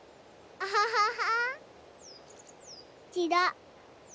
アハハハハ。